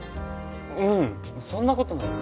ううんそんなことないよ